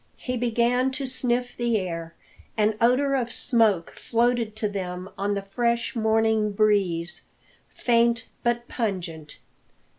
He began to sniff the air. An odour of smoke floated to them on the fresh morning breeze, faint but pungent.